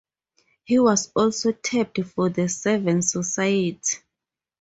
He was also tapped for the Seven Society.